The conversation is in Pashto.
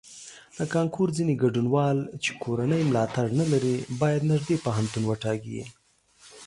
د کانکور ځینې ګډونوال چې کورنی ملاتړ نه لري باید نږدې پوهنتون وټاکي.